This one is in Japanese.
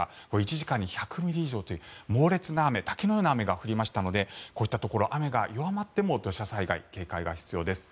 １時間に１００ミリ以上という猛烈な雨滝のような雨が降りましたのでこういったところ雨が弱まっても土砂災害に警戒が必要です。